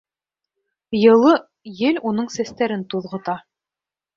Йылы ел уның сәстәрен туҙғыта.